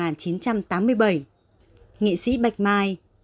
nghệ sĩ bạch mai